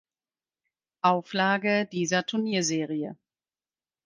Auflage dieser Turnierserie.